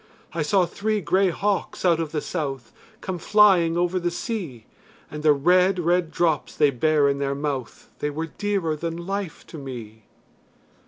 I saw three grey hawks out of the south Come flying over the sea, And the red red drops they bare in their mouth They were dearer than life to me.